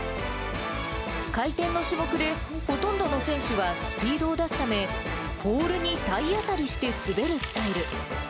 回転の種目で、ほとんどの選手はスピードを出すため、ポールに体当たりして滑るスタイル。